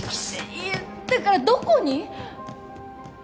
いやだからどこに？